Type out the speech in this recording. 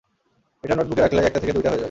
এটা নোটবুকে রাখলে, একটা থেকে দুইটা হয়ে যায়।